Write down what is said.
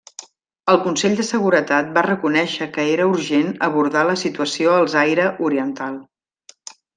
El Consell de Seguretat va reconèixer que era urgent abordar la situació al Zaire oriental.